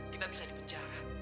kita bisa di penjara